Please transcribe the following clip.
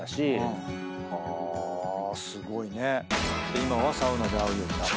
今はサウナで会うようになって。